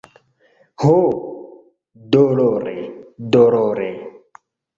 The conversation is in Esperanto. Ho, dolore, dolore!